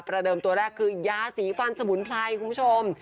เดิมตัวแรกคือยาสีฟันสมุนไพรคุณผู้ชม